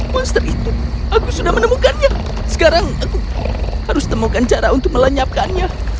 monster itu aku sudah menemukannya sekarang aku harus temukan cara untuk melenyapkannya